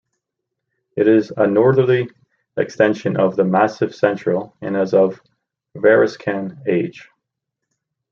It is a northerly extension of the Massif Central and is of Variscan age.